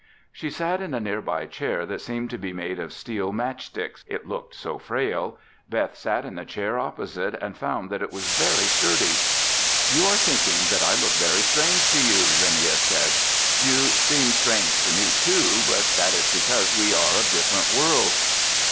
She sat in a nearby chair that seemed to be made of steel matchsticks, it looked so frail. Beth sat in the chair opposite and found that it was very sturdy. "You are thinking that I look very strange to you," Linnia said. "You seem strange to me too, but that is because we are of different worlds."